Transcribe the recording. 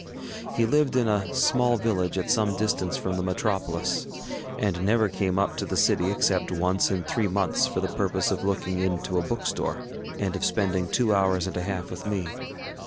ŌĆØ He lived in a small village at some distance from the metropolis, and never came up to the city except once in three months for the purpose of looking into a bookstore, and of spending two hours and a half with me.